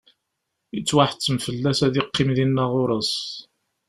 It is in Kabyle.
Yettwaḥettem fell-as ad yeqqim dinna ɣur-s.